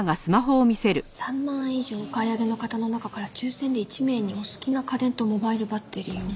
「３万円以上お買い上げの方の中から抽選で１名にお好きな家電とモバイルバッテリーを」